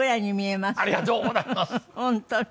本当に。